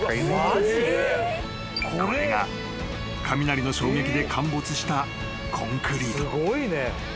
［これが雷の衝撃で陥没したコンクリート］